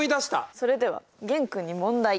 それでは玄君に問題。